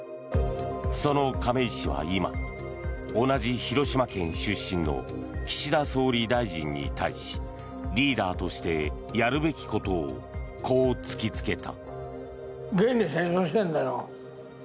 その亀井氏は今同じ広島県出身の岸田総理大臣に対しリーダーとしてやるべきことをこう突きつけた。